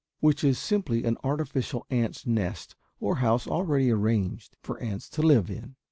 Which is simply an artificial ants' nest, or house already arranged for ants to live in.